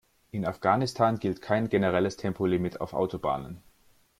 In Afghanistan gilt kein generelles Tempolimit auf Autobahnen.